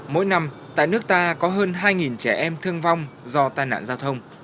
mỗi năm tại nước ta có hơn hai trẻ em thương vong do tai nạn giao thông